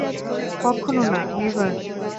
কক্ষনো না, নেভার।